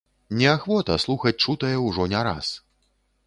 Не ахвота слухаць чутае ўжо не раз.